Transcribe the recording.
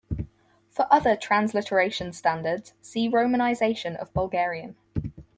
For other transliteration standards see Romanization of Bulgarian.